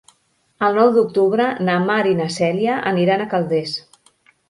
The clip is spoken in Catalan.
El nou d'octubre na Mar i na Cèlia aniran a Calders.